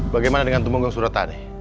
bagaimana dengan tumenggung suratani